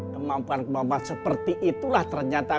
kemampuan kemampuan seperti itulah ternyata